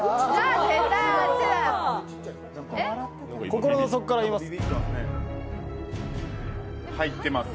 心の底から言えます？